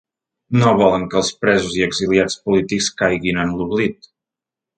No volen que els presos i exiliats polítics caiguin en l’oblit.